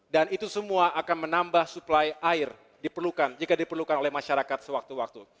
dan itu semua akan menambah supply air jika diperlukan oleh masyarakat sewaktu waktu